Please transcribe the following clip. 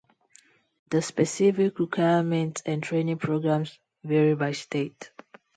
The specific requirements and training programs vary by state.